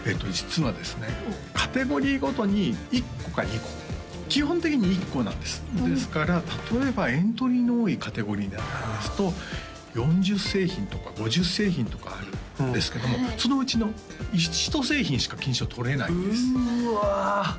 実はですねカテゴリーごとに１個か２個基本的に１個なんですですから例えばエントリーの多いカテゴリーですと４０製品とか５０製品とかあるんですけどもそのうちの１製品しか金賞取れないんですうわ！